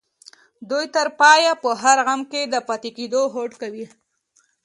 دوی تر پايه په هر غم کې د پاتې کېدو هوډ کوي.